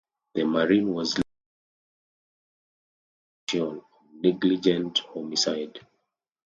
The Marine was later cleared by a court martial of negligent homicide.